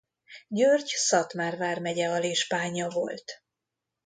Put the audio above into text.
György Szatmár vármegye alispánja volt.